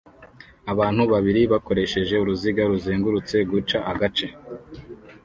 abantu babiri bakoresheje uruziga ruzengurutse guca agace